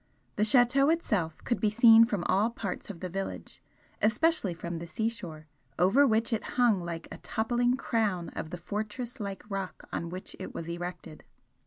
The Chateau itself could be seen from all parts of the village, especially from the seashore, over which it hung like a toppling crown of the fortress like rock on which it was erected.